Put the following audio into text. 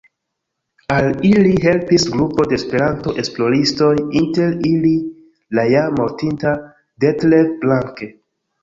Al ili helpis grupo de Esperanto-esploristoj, inter ili la jam mortinta Detlev Blanke.